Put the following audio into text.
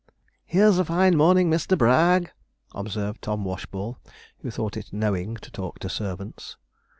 'Here's a fine morning, Mr. Bragg,' observed Tom Washball, who thought it knowing to talk to servants.